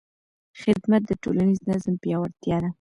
خدمت د ټولنیز نظم پیاوړتیا ده.